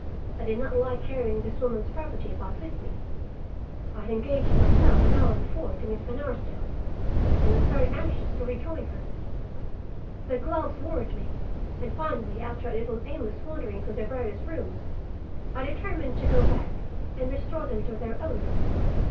I did not like carrying this woman's property about with me. I had engaged myself, an hour before, to Miss Van Arsdale, and was very anxious to rejoin her. The gloves worried me, and finally, after a little aimless wandering through the various rooms, I determined to go back and restore them to their owner.